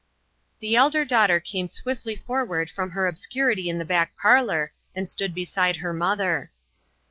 WHY ? 33 The elder daughter came swiftly forward from her obscurity in the back parlor, and stood beside her mother.